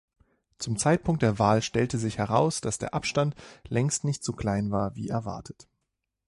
Zum Zeitpunkt der Wahl stellte sich heraus, dass der Abstand längst nicht so klein war, wie erwartet.